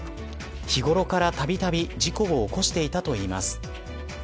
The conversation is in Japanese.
日頃から、たびたび事故を起こしていたといいます。